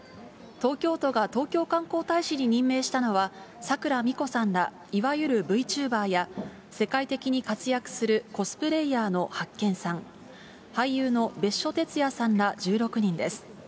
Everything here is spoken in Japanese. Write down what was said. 東京都が東京観光大使に任命したのは、さくらみこさんら、いわゆるＶチューバーや、世界的に活躍するコスプレイヤーのハッケンさん、俳優の別所哲也さんら１６人です。